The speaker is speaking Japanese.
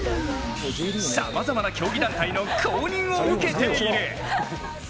さまざまな競技団体の公認を受けている！